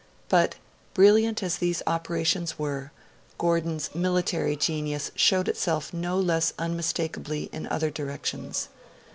But, brilliant as these operations were, Gordon's military genius showed itself no less unmistakably in other directions.